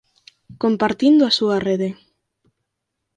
Compartindo a súa rede.